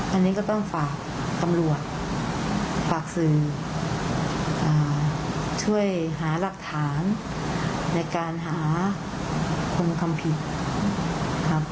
อันนี้ก็ต้องฝากตำรวจฝากสื่อช่วยหาหลักฐานในการหาคนทำผิดครับ